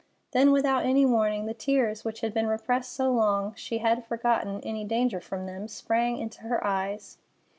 Then, without any warning, the tears, which had been repressed so long she had forgotten any danger from them, sprang into her eyes.